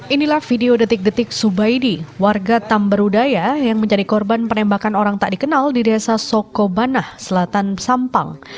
inilah video detik detik subaidi warga tamberudaya yang menjadi korban penembakan orang tak dikenal di desa sokobanah selatan sampang